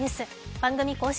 番組公式